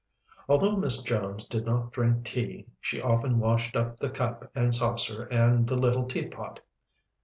Although Miss Jones did not drink tea, she often washed up the cup and saucer and the little teapot.